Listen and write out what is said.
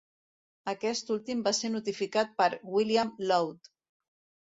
Aquest últim va ser notificat per William Laud.